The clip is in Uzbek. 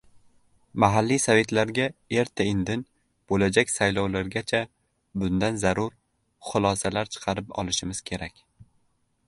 Mahalliy Sovetlarga erta-indin bo‘lajak saylovlargacha bundan zarur xulosalar chiqarib olishimiz kerak.